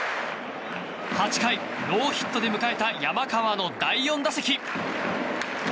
８回、ノーヒットで迎えた山川の第４打席。